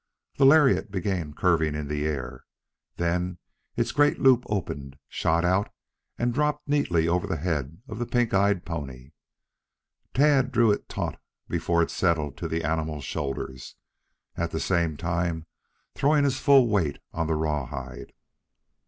The lariat began curving in the air, then its great loop opened, shot out and dropped neatly over the head of the pink eyed pony. Tad drew it taut before it settled to the animal's shoulder, at the same time throwing his full weight on the rawhide.